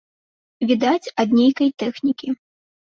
Відаць, ад нейкай тэхнікі.